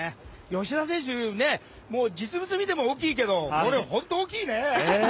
吉田選手、実物見ても大きいけどこれ、本当に大きいね。